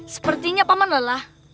sepertinya paman lelah